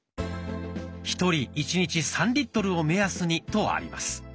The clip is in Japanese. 「１人１日３リットルを目安に」とあります。